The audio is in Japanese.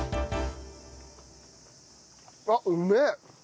あっうめえ！